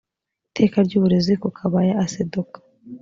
iteka ry uburezi ku kabaya aseduka